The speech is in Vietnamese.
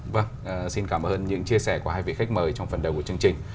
vâng xin cảm ơn những chia sẻ của hai vị khách mời trong phần đầu của chương trình